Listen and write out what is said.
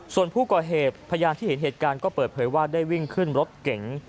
ส่วนผู้ก่อเหตุพยานที่เห็นเหตุการณ์ก็เปิดเผยว่าได้วิ่งขึ้นรถเก๋ง